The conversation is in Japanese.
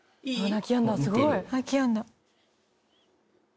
「泣きやんだ」